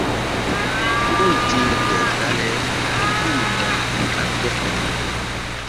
Hul ti̧h tɔr dale puh na kandɔk.